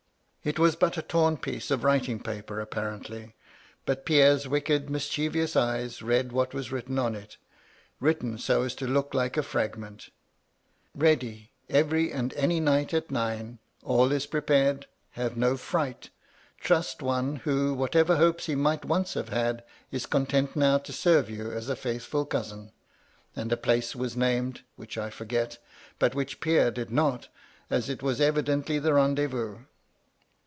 It was but a torn piece of writing paper apparently, but Pierre's wicked mischievous eyes read what was written on it, — written so as to look like a fragment —' Ready, every and any night at nine. All is prepared. Have no fright. Trust one who, what ever hopes he might once have had, is content now to serve you as a faithful cousin,' and a place was named, which I forget, but which Pierre did not, as it was 164 MY LADY LUDLOW. eyideutly the rendezvous.